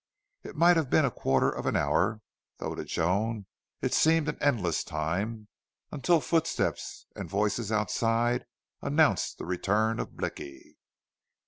It might have been a quarter of an hour, though to Joan it seemed an endless time, until footsteps and voices outside announced the return of Blicky.